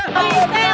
kamu mulai lah